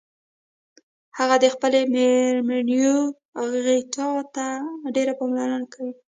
هغه د خپلې میرمنیروغتیا ته ډیره پاملرنه کوي